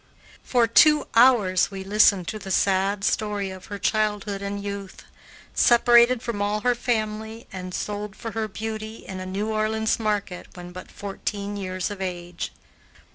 For two hours we listened to the sad story of her childhood and youth, separated from all her family and sold for her beauty in a New Orleans market when but fourteen years of age.